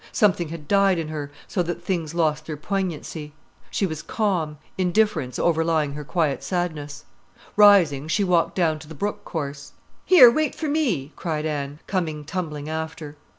Something had died in her, so that things lost their poignancy. She was calm, indifference overlying her quiet sadness. Rising, she walked down to the brook course. "Here, wait for me," cried Anne, coming tumbling after.